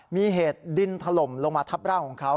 มีเหตุดินถล่มลงมาทับร่างของเขา